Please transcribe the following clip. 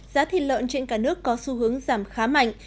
giá thịt lợn trên cả nước có xu hướng giảm khá mạnh